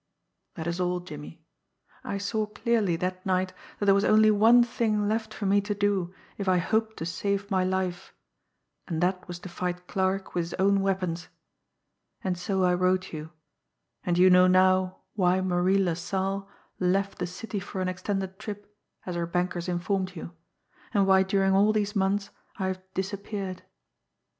That is all, Jimmie. I saw clearly that night that there was only one thing left for me to do if I hoped to save my life, and that was to fight Clarke with his own weapons. And so I wrote you; and you know now why Marie LaSalle 'left the city for an extended trip,' as her bankers informed you, and why during all these months I have 'disappeared.'